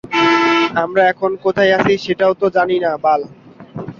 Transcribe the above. আমরা এখন কোথায় আছি সেটাও তো জানি না বাল!